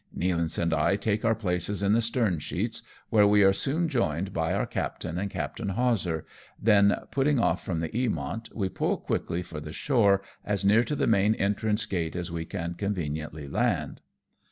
Nealance and I take our places in the stern sheets, where we are soon joined by our captain and Captain Hawser, then, putting off from the Eamont, we pull quickly for the shore, as near to the main entrance gate as we can conveniently land.